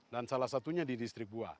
dan salah satunya di distrik bua